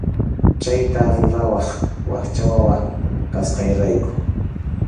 Chayta rurawaq wakcha wawa kasqayrayku.